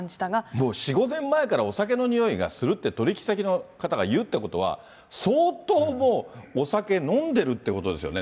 もう４、５年前からお酒の臭いがするって取り引き先の方が言うということは、相当もう、お酒飲んでるっていうことですよね、